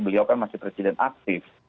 beliau kan masih presiden aktif